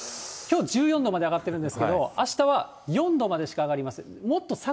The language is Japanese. きょう１４度まで上がってるんですけど、あしたは４度までしか上がりません。